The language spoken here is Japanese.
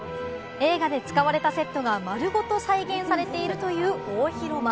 映画で使われたセットがまるごと再現されているという大広間。